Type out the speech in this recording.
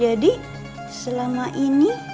jadi selama ini